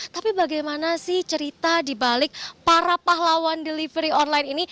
tapi bagaimana sih cerita di balik para pahlawan delivery online ini